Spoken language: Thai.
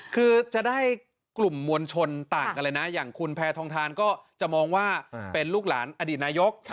คือจะได้กลุ่มมวลชนต่างกันเลยนะอย่างคุณแพทองทานก็จะมองว่าเป็นลูกหลานอดีตนายก